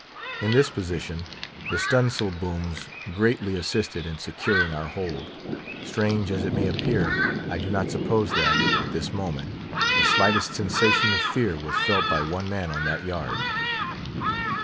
In this position, the stun' sail booms greatly assisted in securing our hold. Strange as it may appear, I do not suppose that, at this moment, the slightest sensation of fear was felt by one man on that yard.